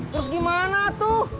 terus gimana tuh